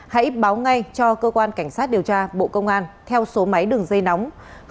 hãy báo ngay cho cơ quan cảnh sát điều tra bộ công an theo số máy đường dây nóng